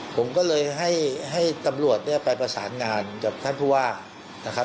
ผมก็เลยให้ตำรวจไปประสานงานกับท่านผู้ว่า